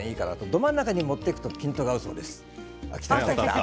ど真ん中に持っていくとピントが合います。